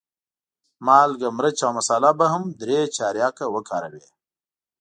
مالګه، مرچ او مساله به هم درې چارکه وکاروې.